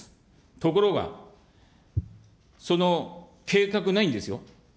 ところが、その計画ないんですよ。